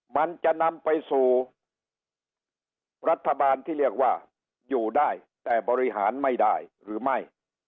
มันจะนำไปสู่รัฐบาลที่เรียกว่าอยู่ได้แต่บริหารไม่ได้หรือไม่